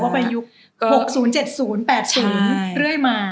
อ๋อว่าไปยุค๖๐๗๐๘๐เรื่อยมา